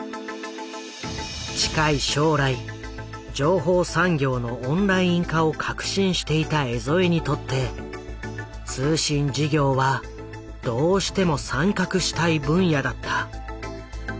近い将来情報産業のオンライン化を確信していた江副にとって通信事業はどうしても参画したい分野だった。